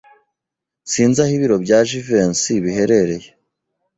Sinzi aho ibiro bya Jivency biherereye.